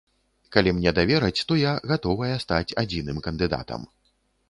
Калі мне давераць, то я гатовая стаць адзіным кандыдатам.